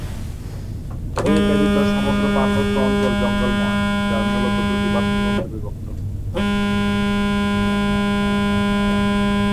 এ ব্যতীত সমগ্র পার্বত্য অঞ্চল জঙ্গলময়, যা মূলত দুটি বাস্তুতন্ত্রে বিভক্ত।